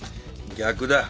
逆だ。